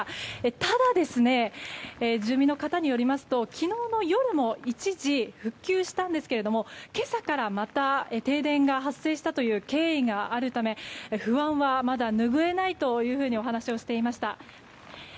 ただ、住民の方によりますと昨日の夜も一時復旧したんですけど今朝からまた停電が発生したという経緯があるため不安は、まだぬぐえないとお話をしていました。